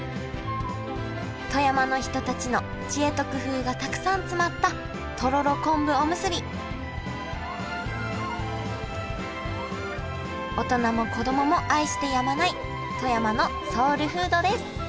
富山の人たちの知恵と工夫がたくさん詰まったとろろ昆布おむすび大人も子供も愛してやまない富山のソウルフードです